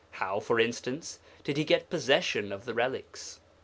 How, for instance, did he get possession of the relics?